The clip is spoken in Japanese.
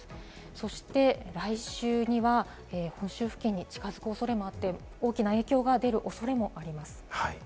そして来週には本州付近に近づく恐れもあって大きな影響が出る恐れもあります。